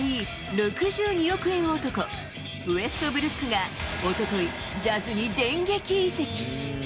６２億円男、ウェストブルックがおととい、ジャズに電撃移籍。